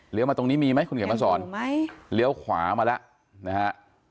มาตรงนี้มีไหมคุณเขียนมาสอนไหมเลี้ยวขวามาแล้วนะฮะ